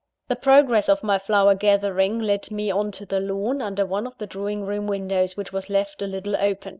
The progress of my flower gathering led me on to the lawn under one of the drawing room windows, which was left a little open.